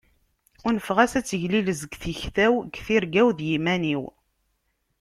Unfeɣ-as ad teglilez deg tikta-w, deg tirga-w d yiman-iw.